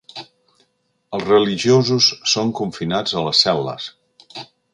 Els religiosos són confinats a les cel·les.